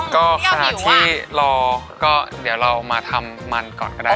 ก็ขณะที่รอก็เดี๋ยวเรามาทำมันก่อนก็ได้